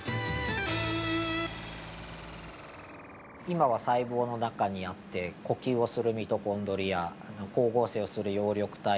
今は細胞の中にあって呼吸をするミトコンドリア光合成をする葉緑体がですね